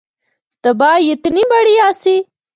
تباہی اتنی بڑی آسی۔